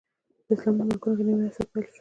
په اسلامي ملکونو کې نوی عصر پیل شو.